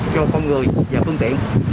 cho con người và phương tiện